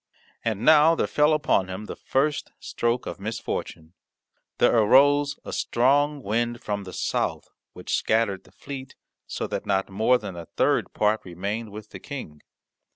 And now there fell upon him the first stroke of misfortune. There arose a strong wind from the south which scattered the fleet, so that not more than a third part remained with the King.